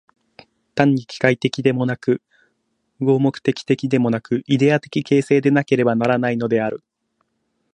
単に機械的でもなく、合目的的でもなく、イデヤ的形成でなければならないのである。